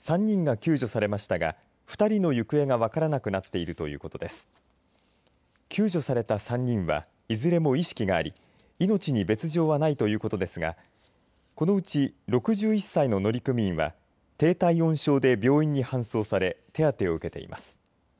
救助された３人はいずれも意識があり命に別状はないということですがこのうち６１歳の乗組員は低体温症で病院に搬送され手当てを受けています。